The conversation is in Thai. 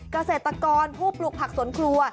เกษตรกรผู้ปลูกผักสวนครัว